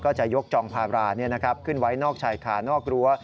จะยกจองพาราขึ้นไว้นอกชายคานอกรั้ว